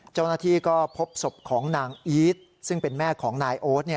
เจ้าหน้าที่ก็พบศพของนางอีทซึ่งเป็นแม่ของนายโอ๊ต